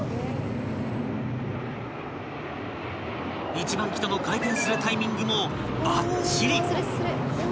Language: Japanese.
［１番機との回転するタイミングもばっちり］